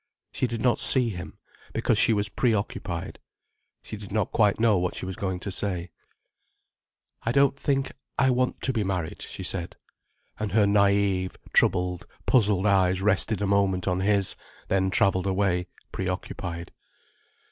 She did not see him, because she was pre occupied. She did not quite know what she was going to say. "I don't think I want to be married," she said, and her naïve, troubled, puzzled eyes rested a moment on his, then travelled away, pre occupied.